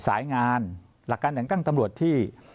สายงานหลักการแต่งตั้งตำรวจที่